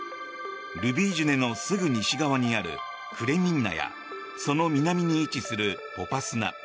ルビージュネのすぐ西側にあるクレミンナやその南に位置するポパスナ